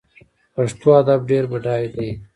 پښتو ادب ډیر بډای دی